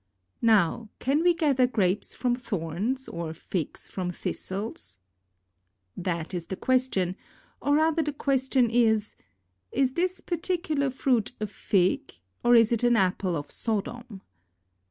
Now can we gather grapes from thorns or figs from thistles ? That is the question ; or rather the question is — Is this particular fruit a fig, or is it an apple of Sodom?